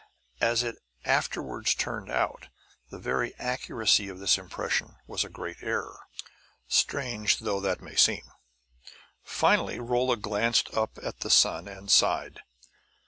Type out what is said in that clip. As it afterward turned out, the very accuracy of this impression was a great error, strange though that may seem. Finally Rolla glanced up at the sun and sighed.